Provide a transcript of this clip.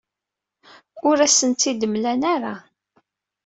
Ur asent-tt-id-mlan ara.